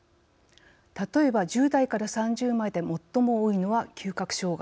例えば、１０代３０代まで最も多いのは嗅覚障害。